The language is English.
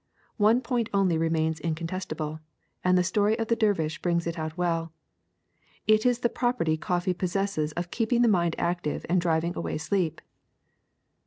One point only re mains incontestable, and the story of the dervish brings it out well : it is the property coffee possesses of keeping the mind active and driving away sleep.''